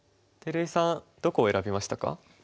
照井さんどこを選びましたか？